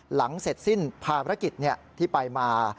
หลังเสร็จสิ้นภาพฤกฤตฯเนี่ยที่ไปมา